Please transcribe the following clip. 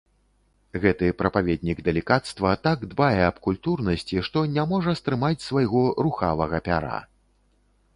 Гэты прапаведнік далікацтва так дбае аб культурнасці, што не можа стрымаць свайго рухавага пяра.